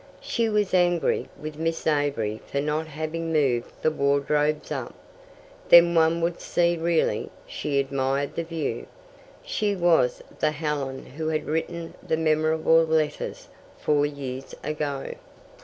She was angry with Miss Avery for not having moved the wardrobes up. "Then one would see really." She admired the view. She was the Helen who had written the memorable letters four years ago.